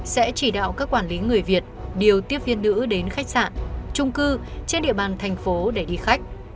sẽ chỉ đạo các quản lý người việt điều tiếp viên nữ đến khách sạn trung cư trên địa bàn thành phố để đi khách